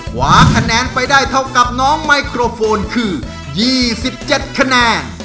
ขวาคะแนนไปได้เท่ากับน้องไมโครโฟนคือ๒๗คะแนน